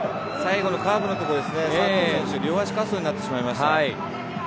最後のカーブのところ、両足滑走になってしまいました。